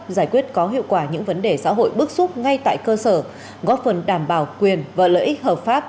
giải quyết có hiệu quả những vấn đề xã hội bước xúc ngay tại cơ sở góp phần đảm bảo quyền và lợi ích hợp pháp